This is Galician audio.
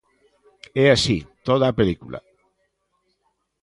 E así, toda a película.